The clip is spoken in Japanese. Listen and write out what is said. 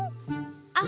あっ！